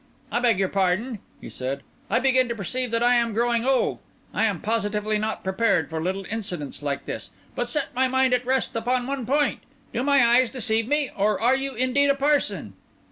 "I beg your pardon," he said; "I begin to perceive that I am growing old! I am positively not prepared for little incidents like this. But set my mind at rest upon one point: do my eyes deceive me, or are you indeed a parson?"